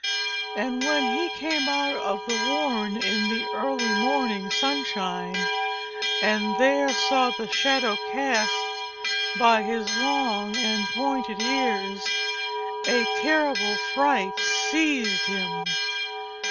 And when he came out of the warren in the early morning sunshine, and there saw the shadow cast by his long and pointed ears, a terrible fright seized him.